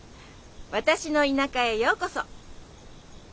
私の田舎へようこそ！